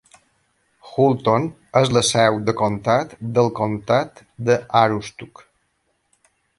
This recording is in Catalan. Houlton és la seu de comtat del comtat de Aroostook.